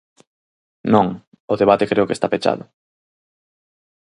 Non, o debate creo que está pechado.